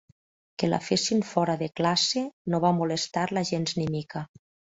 Que la fessin fora de classe no va molestar-la gens ni mica.